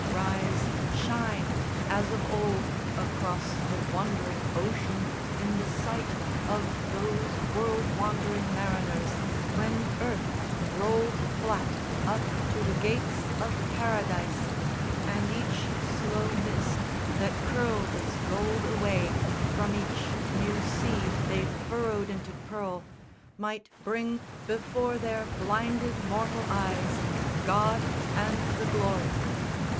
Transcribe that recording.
Rise, shine, as of old Across the wondering ocean in the sight Of those world wandering mariners, when earth Rolled flat up to the Gates of Paradise, And each slow mist that curled its gold away From each new sea they furrowed into pearl Might bring before their blinded mortal eyes God and the Glory.